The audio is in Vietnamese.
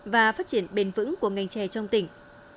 và phát triển bền vững của ngành chè trong tỉnh